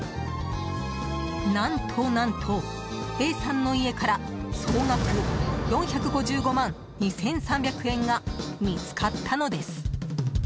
何と何と、Ａさんの家から総額４５５万２３００円が見つかったのです。